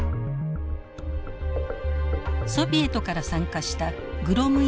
ソビエトから参加したグロムイコ大使。